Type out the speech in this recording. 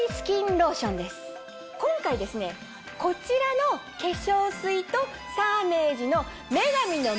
今回ですねこちらの化粧水とサーメージの。